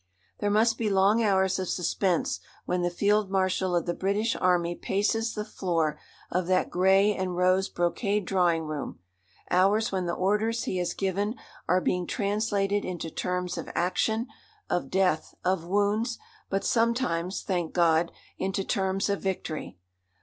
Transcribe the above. There must be long hours of suspense when the Field Marshal of the British Army paces the floor of that grey and rose brocade drawing room; hours when the orders he has given are being translated into terms of action, of death, of wounds, but sometimes thank God! into terms of victory.